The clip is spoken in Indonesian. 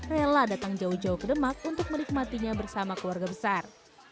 rela datang jauh jauh ke demak untuk menikmatinya bersama keluarga besar